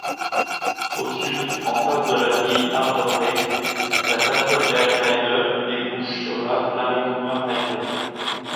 Au Sud, en face de la vieille Naarderweg, la Tafelbergheide débouche sur la Blaricumerheide.